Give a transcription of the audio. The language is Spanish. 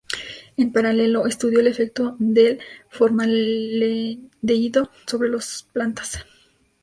En paralelo, estudió el efecto del formaldehído sobre los plantas.